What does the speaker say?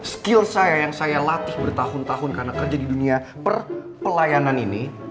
skill saya yang saya latih bertahun tahun karena kerja di dunia per pelayanan ini